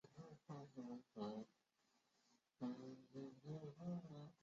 蒙巴尔站门口设有社会车辆停车场。